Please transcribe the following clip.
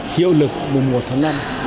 hiệu lực bùn một tháng năm